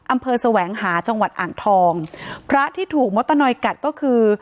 แสวงหาจังหวัดอ่างทองพระที่ถูกมดตะนอยกัดก็คือ